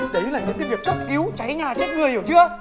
đấy là những cái việc cấp yếu cháy nhà chết người hiểu chưa